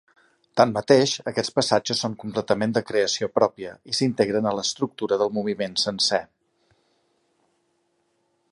Tanmateix, aquests passatges són completament de creació pròpia, i s'integren a l'estructura del moviment sencer.